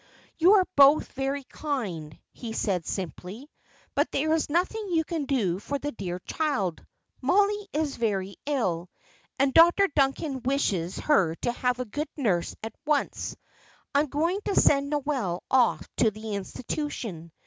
"You are both very kind," he said, simply, "but there is nothing you can do for the dear child. Mollie is very ill, and Dr. Duncan wishes her to have a good nurse at once. I am going to send Noel off to the Institution.